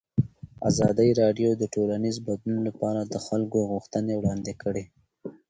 ازادي راډیو د ټولنیز بدلون لپاره د خلکو غوښتنې وړاندې کړي.